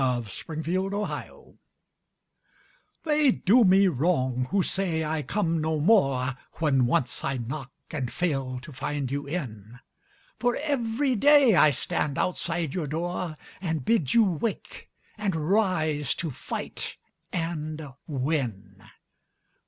OPPORTUNITY They do me wrong who say I come no more When once I knock and fail to find you in ; For every day I stand outside your door, And bid you wake, and rise to fight and win.